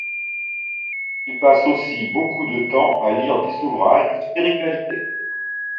Il passe aussi beaucoup de temps à lire des ouvrages de spiritualité.